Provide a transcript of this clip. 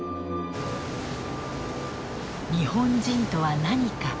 「日本人とは何か」。